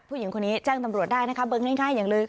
ผู้หญิงคนนี้แจ้งตำรวจได้นะคะเบิกง่ายอย่างเลย